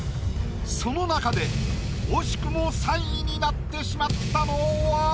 その中で惜しくも３位になってしまったのは？